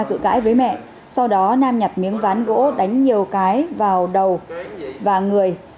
cự cãi với mẹ sau đó nam nhặt miếng ván gỗ đánh nhiều cái vào đầu và người